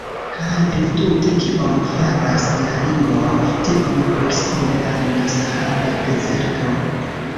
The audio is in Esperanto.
Kaj entute kion faras haringoj tiom proksime al la Sahara dezerto?